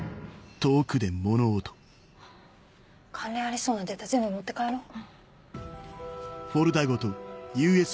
関連ありそうなデータ全部持って帰ろう。